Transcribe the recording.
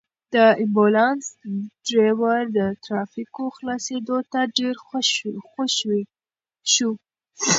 د امبولانس ډرېور د ترافیکو خلاصېدو ته ډېر خوښ شو.